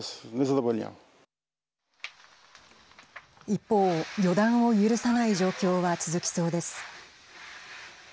一方、予断を許さない状況は続きそうです。